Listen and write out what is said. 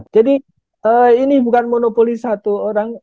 jadi ini bukan monopoli satu orang